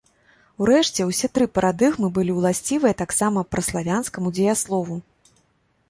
Урэшце, усе тры парадыгмы былі ўласцівыя таксама праславянскаму дзеяслову.